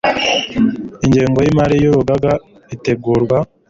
ingengo y imari y urugaga itegurwa